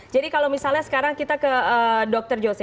jadi kalau misalnya sekarang kita ke dokter jose